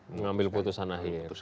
mengambil keputusan akhir